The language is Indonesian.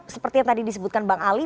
seperti yang tadi disebutkan bang ali